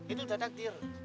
itu tak takdir